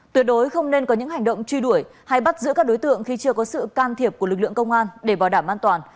tuyệt đối không nên có những hành động truy đuổi hay bắt giữ các đối tượng khi chưa có sự can thiệp của lực lượng công an để bảo đảm an toàn